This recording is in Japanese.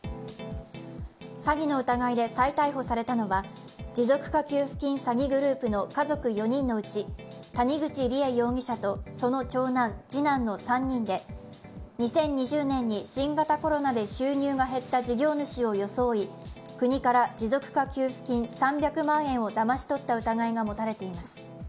詐欺の疑いで再逮捕されたのは持続化給付金詐欺グループの家族４人のうち谷口梨恵容疑者とその長男、次男の３人で２０２０年に新型コロナで収入が減った事業主を装い、国から持続化給付金３００万円をだまし取った疑いが持たれています。